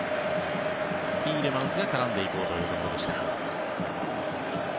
ティーレマンスが絡んでいこうというところでした。